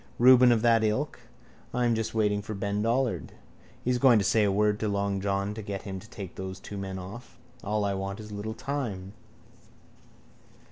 Reuben of that ilk. I'm just waiting for Ben Dollard. He's going to say a word to long John to get him to take those two men off. All I want is a little time.